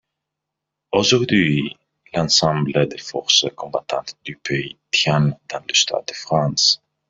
Aujourd’hui, l’ensemble des forces combattantes du pays tient dans le stade de France.